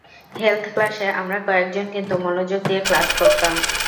Health ক্লাসে আমরা কয়েকজন কিন্তু মনোযোগ দিয়ে ক্লাস করতাম!